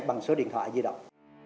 bằng số điện thoại di động